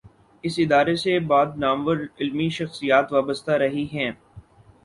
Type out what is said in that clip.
اس ادارے سے بعض نامور علمی شخصیات وابستہ رہی ہیں۔